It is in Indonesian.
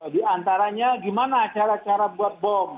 di antaranya gimana cara cara buat bom